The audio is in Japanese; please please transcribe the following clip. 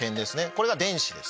これが電子です。